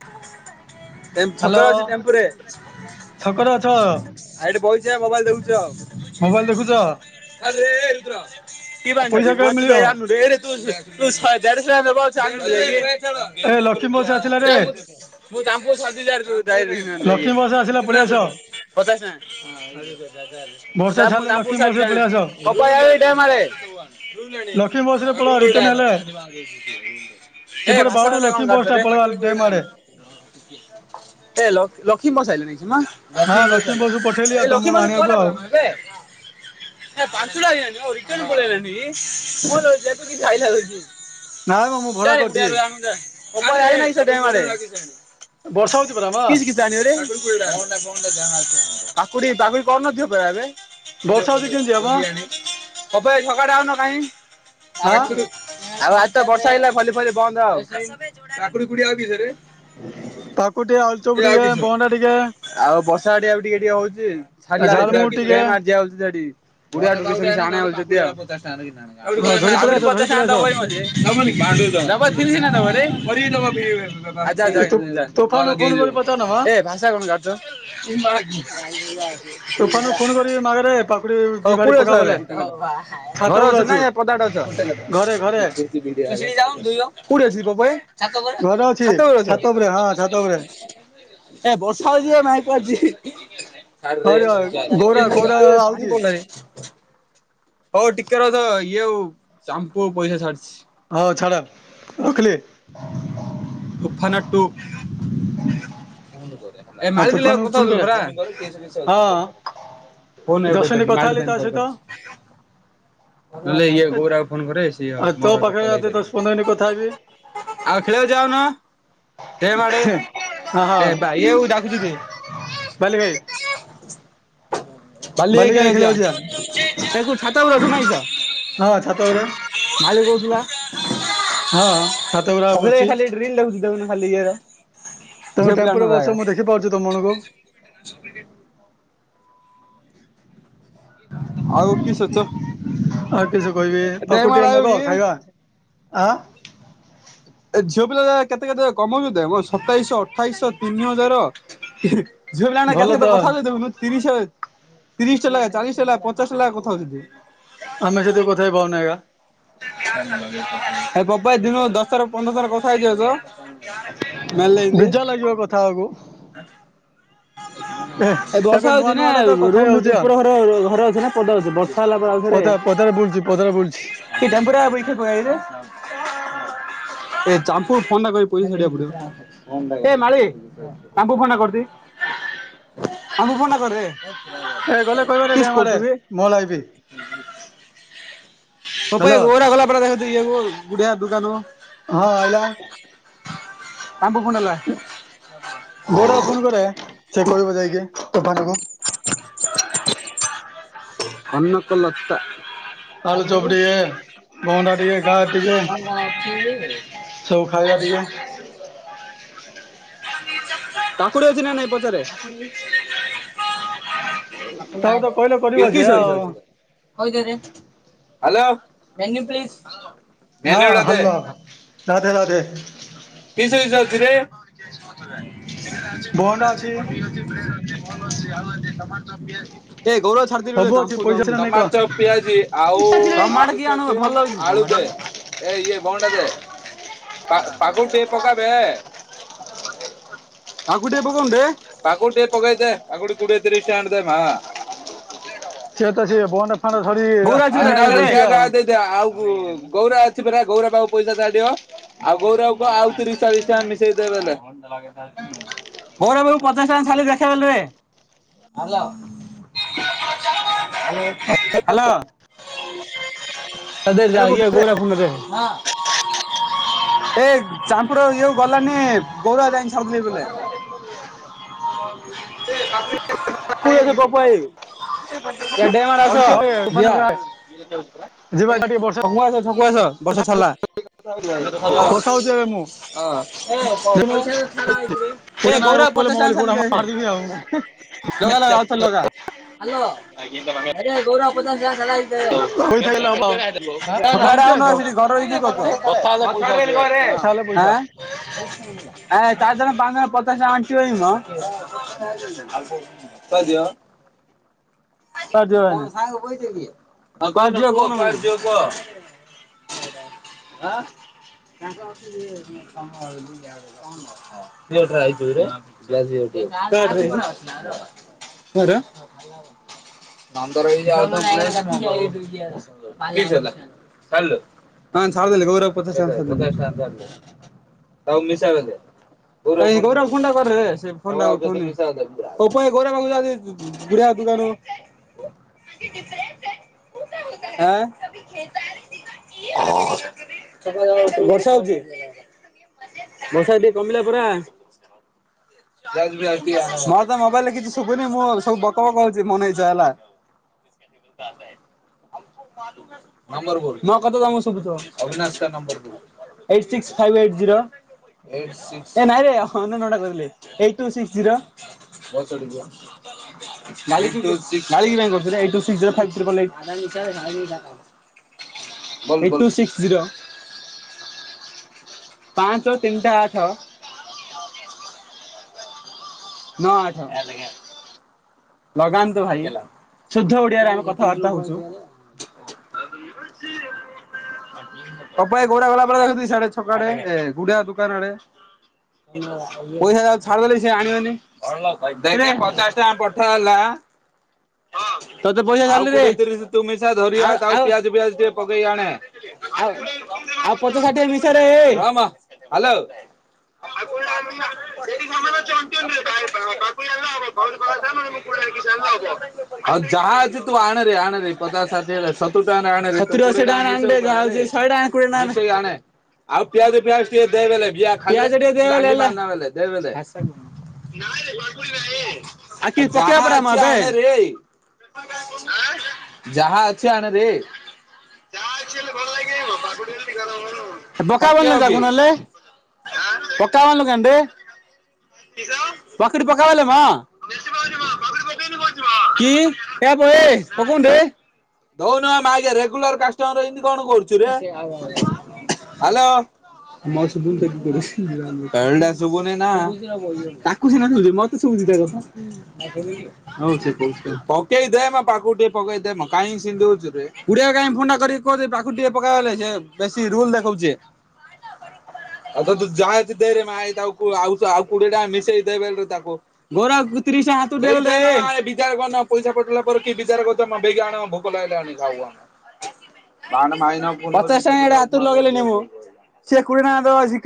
ହ [unintelligible] ଛକରେ ଅଛ ଏଇଠି ବହୁଛି ମୋବାଇଲ ଦେଉଛ ଆଉ। [unintelligible] ମୋବାଇଲ ଦେଖୁଛ ଆଉ ପଇସା କେବେ ମିଳିବ? ଏ ଲକ୍ଷ୍ମୀ ବସ୍ [unintelligible] ଆସିଲା ରେ [unintelligible] [unintelligible] [unintelligible] ଲକ୍ଷ୍ମୀ ବସ୍ ଆସିଲା ପଳେଇ ଆସ। ବର୍ଷା ଛାଡ଼ିଲେ ଲକ୍ଷ୍ମୀ ବସରେ ପଳେଇ ଆସ। ଲକ୍ଷ୍ମୀ ବସ ରେ ପଳାଅ ରିଟର୍ନ ହେଲେ ଏ ସେପଟେ ଭାଷା ବାଉଠୁ ଭାଷା ଲକ୍ଷ୍ମୀ ବସ୍ ଟା ପଳେଇବା ଡ୍ୟାମ୍ କଣ ଆଡେ। [unintelligible] [unintelligible] [unintelligible] [unintelligible] ହଁ ଲକ୍ଷ୍ମୀ ବସକୁ ପଠେଇଲି ଆଉ ତମକୁ ଆଣିବାକୁ ଆଉ। ଭୁଲ ହଉଛି ଏଠି କିଛି ଖାଇଲାଗୁଛି। ନାଇଁ ମ ମୁଁ ଭଡା କରିଛି। [inaudible] ହଁ ରେ [unintelligible] [inaudible] ବର୍ଷା ହଉଛି ପରା ମା ପାମ୍ପୁଡ଼ି ପାମ୍ପୁଡି କରୁନଥିବ ପରା ଏବେ। ବର୍ଷା ହଉଛି କେମିତି ଯିବା ମ? ଆଁ [unintelligible] ଆଉ ଆଜି ତ ବର୍ଷା ହେଇଲା ଭଲି ଭ ବନ୍ଦ ଆଉ କାକୁଡି କଡି ଆ ସେରେ ତାକୁ ଟିକେ ଆଳୁଚପ ଟିକେ ବହଣ୍ଡା ଟିକେ ଆଉ ବର୍ଷା ଆଡଆ ବି ଟିକେ ଟିକେ ହଉଛିିଲଆ ଝାଲମୁଟ ଟିକେ ହଉଛି ସେଠି ହଁ ଧରି ପଳେଇ ଆସ ଧରି ପଳେଇ ଆସ ତୋଫାନକୁ ଫୋନ କରି ପଚାରୁନ ମ। [unintelligible] [unintelligible] [unintelligible] [unintelligible] ହଉ ତୋଫାନକୁ ଫୋନ କରିବି ମାଗରେ ପାକୁଡି ଦି ଭାଡି କୋଉଠି ଅଛ ପକା ଏବେ ବୋଲେ ଛାତ ଘରେ ଉପରେ ଅଛ ଅଛି ନାଇଁ ଏ ପଦଆଡେ ଅଛ ଘରେ ଘରେ ଘରେ [unintelligible] ଅଛି ଅଛ? ଛାତ ଉପରେ ହଁ ଛାତ ଉପରେ। ହଁରେ [unintelligible] ଗୌରା ଗୌରା ଆଉଛି [inaudible] ହଉ ଟିକେ ର ତ ଇଏ ଆଉ ସାମ୍ପୁ ଆଉ ପଇସା ଛାଡିଛି। ହଁ ଛାଡ ରଖିଲି। ଉଫାନା ଟୁ। ହଁ ତୋଫାନକୁ ଫୋନ କରେ ହଁ [unintelligible] ଦଶ ମିନିଟ୍ କଥା ହେଲି ତା ସହିତ [unintelligible] ବହଲେ ଇଏ ଗୌରାକୁ ଫୋନ କରେ ସିଏ ଆଉ ତୋ ମୋର ପାଖରେ କଲ୍ ଆତେ ହେଇ ଦଶ ପନ୍ଦର ମିନିଟ୍ କଥା ହେବି ପାରିବି। ଆଉ ଖେଳିବାକୁ ଯାଉନ? ଏ ବାଡେଇ ହଁ ହଁ [unintelligible] ବାଲି ଭାଇ ବାଲି ଭାଇ ଖେଳିବାକୁ ଯିବା [unintelligible] ହଁ ଛାତ ଉପରେ। ମାଳି କହୁଥିଲୁ ବା। ହଁ। ଛାତ ଉପରେ ସବୁଳେ ବସିଛି ଖାଲି ରିଲ ଦେଖୁଚି ଦେଖୁନୁ ଖାଲି ଇଏ ରା। ତମେ ଟେମ୍ପୁ ରେ ବସିଚ ମୁଁ ଦେଖିପାରୁଛି ତମ ମାନଙ୍କୁ। [inaudible] ଆଉ କିସ ତ ଆଉ କିସ କହିବି ଦେ ମାଡ ପାକୁଡି ଟିକେ ଆଉ ନବା କି ଖାଇବା। ଆଁ। ଏ ଝିଅ ପିଲା ଗୁରା କେତେ କେତ କମାଉଛ କେତେ ସତେଇଶହ ଅଠେଇଶହ ତିନି ହଜାର। ହ ଝିଅ ପିଲା ମାନେ ଭଲ କେତେ ତ କେତେ କଥା ହଉଛିନ୍ତି ଦେଖୁନୁ ତିରିଶେ ତିରିଶ ଟେ ଲେଖେ ଚାଳିଶ ଟେ ଲେଖେ ପଚାଶ ଟା ଲେଖେ କଥାହଉଛନ୍ତି। ଆମେ ସେତେ କଥା ହେଇ ପାରୁନେଏକା। ଏ ପପୁ ଭାଇ ଦିନକୁ ଦଶ ଥର ପନ୍ଦର ଥର କଥା ହେଇ ଯାଉଛ। ବୀଜାର ଲାଗିବ କଥା ହବାକୁ। ଏ ଏବେ ବର୍ଷା ନୂଆ ହଉଛି ନା ନୂଆ ଟା ତ କଥା ରୁ ହେଇ ହଉଛି ଭିତ ଆଉ ଉପର ଘର ଘରେ ଅଛ ନା ପଦାରେ ଅଛ ବର୍ଷା ହେଲା ପା ଆଉଥରେ। ପଦା ପଦାରେ ବୁଲୁଛି ପଦାରେ ବୁଲୁଛି। [unintelligible] [unintelligible] [unintelligible] କିସ୍ କରୁଛୁ ବେ। [unintelligible] ହ୍ୟାଲୋ [unintelligible] ହଁ ଆଜ୍ଞା ଗୌରବ। [unintelligible] କନକ ଲତା। ଆଳୁ ଚପ ଟୀକେ। ଭହଣ୍ଡା ଟିକେ ଗା ଟିକେ ସବୁ ଖାଇବା ଟିକେ। ହ କାକୁଡି ଅଛି ନା ନାଇଁ ପଚାରେ। କାକୁଡି ତାକୁ ନାଇ ତ ରେ। କହିଲେ କରିବ ସେ ଆଉ [unintelligible] ହଁ ହଲୋ ରାଧେ ରାଧେ। ଭଣ୍ଡା ଅଛି [unintelligible] [unintelligible] ସବୁ ଅଛି ପଇସା ସିନା ନାଇଁ କହ କ [unintelligible] [unintelligible] କିଏ ପକାବେ। ହ [unintelligible] ସିଏ ତ ସିଏ ବଣ୍ଡ ଫାଣ୍ଡ ଧରି ଛାନିଆ ହେଇକି [unintelligible] ବଇଚି ଆଉ। [unintelligible] [unintelligible] [unintelligible] Hello hello hello. ହ [unintelligible] ଚାମ୍ପୁର ଇଏଉ ଗଲାନି ଗୌରା ଯାଇକି ଛାଉଥିଲି ବୋଇଲେ। କୋଉଠି ଅଛ ପପୁ ଭାଇ। ଏ ଡେମ‌ ଆଡେ ଆସ ଯିଆ। [unintelligible] ଟିକେ ବର୍ଷା ଛକୁ କୁ ଆସ ଛକୁ ଆସ ବର୍ଷା ଛାଡିଲା। କଥା ହଉଛି ଏବେ ମୁଁ। ଏ ପ ଦେଖୁନୁ ପଇସା ଛାଡ ଏଥିରେ ଏ ପଇସା ନ ଆଇବ ଗୌରା ବୋଲେ ପଚାସ ଟଙ୍କା ମୋବାଇଲ ଫୋବାଇଲ ଛାଡ଼ିଲି ହାମା ଦେଖେ। ମାରିଦେବି ଆଉ। ଲଗା ଲଗା ଆଉ ଥରେ ଲଗା। ହ୍ୟାଲୋ। ଆଜ୍ଞା। [unintelligible] ଆଜ୍ଞା ଗୌରା ପଚାସ ଟଙ୍କା ଦେଲା କି? ତୁ ଖାଇଲେ ହବ, ଆମକୁ ସକାଳେ ଆଉନ କାଇଁ ସେଠି ଘର ଦବ? ହେଇକି କଥା କରୁଛ ହେଲେ ପଇସା ଆସିବ, ହଁ। ଆଁ? ଏ ଚାର ଜଣ, ପାଞ୍ଚ ଜଣ, ପଚାଶ ଟଙ୍କା ଆଣିଚି। [unintelligible] କଦିଅ। [unintelligible] କ ଝିଅ ନବୁ? [unintelligible] [unintelligible] ମୋର। ବାନ୍ଦର୍ ହେଇଯା ଆଉ [unintelligible] କିଏ ଦେଲା? ଛାଡ଼ିଲୁ? ହଁ ଛାଡିଦେଲି ଗୌରାକୁ ପଚାସ ଟଙ୍କା ଛାଡ଼ିଦେଲି। କେତେ ପଚାସ ଟଙ୍କା ଛାଡ଼ିଲୁ? ସବୁ ମିଶା କରିଦେ। କାଇଁ ଗୌରାକୁ କୁ ଫୋନ୍ ଟା କରିଦେ ସେ ଫୋନ୍ ଟା ଫୋନ୍ ପପୁ ଆଇ ଗୌରା ପାଖକୁ ଯାଉଛି। ବୁଡ଼ା ଆପ କୁ ଆଣୁ। ଆଁ? ବର୍ଷା ହଉଛି। ବର୍ଷା ଟିକେ କମିଲା ପରା। ହ ମ ତ ମୋବାଇଲରେ କିଛି ଶୁଭୁନି ମୁଁ ସବୁ ବକବକଉଛି ମନେଇଚଛା ହେଲା। [unintelligible] ଆ ନମ୍ବର କୁହନ୍ତୁ? ମୋ କତରୁ ତମକୁ ଶୁବୁଥିବ, ଅବିନାଶ ସାର ନମ୍ବର୍ କୁହନ୍ତୁ? Eight six five eight zero, eight, six, ଏ ନାଇଁରେ ହଁ ଅନଟା କହିଦେଲି। Eight, two, six, zero. [unintelligible] [unintelligible] Eight two six zero five triple eight. ହ ଟୁ ସିକ୍ସ ଜିରୋ ପାଞ୍ଚ ତିନିଟା ଆଠ ନଅ ଆଠ ଲଗାନ୍ତୁ ଭାଇ ହେଲା, ଶୁଦ୍ଧ ଓଡିଆରେ ଆମେ କଥାବାର୍ତ୍ତା ହଉଛୁ। ଆ ତପ ଘୋଡା ଗଲା ପରେ ଯାଉଛନ୍ତିଆଡେ ଛକାଡେ ଏ ଘୁଡା ଦୋକାନ ଆଡେ। ପଇସା ଯ ଛାଡିଦେଲେ ସ ଆଣିବନି, ପଚାଶ ଟଙ୍କା ପ ହେଲା। ତତେ ପଇସା ଜାଲିରେ ତୁ ମିଶା ଧରିଆ, ପିଆଜ ପିଆଜ ଟିକେ ପକେଇକି ଆଣେ। ଆଉ ଆଉ ପଚାସ ଶାଠିଏ ମିସରେ ଏ, ହଁ ମା ହେଲୋ। [unintelligible] [unintelligible] ଆଉ ଯାହା ଅଛି ତୁ ଆଣରେ ଆଣରେ ପଚା ଷାଠି ହେରେ ସତୁ ଟାନେ ଆଣରେ। [unintelligible] ଶହେ ଟଙ୍କା କୋଡ଼ିଏ ଟଙ୍କା ଭି ଆଉ ପିଆଜ ପିଆଜ ଟିକେବେଲେ। [unintelligible] [unintelligible] ଯାହା ଅଛି ଆଣରେ। ଯାହା ଅଛି ହେଲେ ଭଲ ଲାଗିଯିବ। [unintelligible] ବକା ବୋକ ନହଲେ ବକା କାନ୍ଦେ। ପକଡ଼ି ପକାବେଲେ ମା କି କେ ପହ କ କନ ଦେଇ [unintelligible] ! ! ! ! ! ! ! ! ! ! ! ! ! ! ! ! ! ! ! ! ତାକୁ ସିନା ସବୁଛି ମତେ ଶୁଭୁଛି ତା କଥା। ହଉଛି କହୁଛି ପକେଇ ଦେ ମ ପାଖକୁ ଟିକେ ପକେଇ ଦେ ମ କାହିଁ ସେମନ୍ତି ହଉଛୁରେ। କଡ଼ିଆ କାହିଁ ଫୋନ୍ଟା କରି କହୁଛି ପାଖକୁ ଟିକେ ପକାବଲେ ସେ ବେଶି ରୁଲ ଦେଖାଉଛେ। ହ ! ! ! ! ! ! ! ! ! ! ଗୋରା ତିରିଟଙ୍କା ହାତରୁ ଦେଇ ଦେଲୁରେ ପିଜା ପଇସା କଟିଲା ପରେ କି ବିଚାର କରୁଛ ମଗେଇକି ଆ [unintelligible] ଣ ଭୋ ବଲାଣି ଖାଉ [inaudible] ହ ! ! ! ! ! ! ! ! ! !